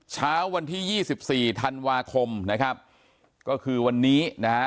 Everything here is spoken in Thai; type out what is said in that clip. เช้าวันที่ยี่สิบสี่ธันวาคมนะครับก็คือวันนี้นะฮะ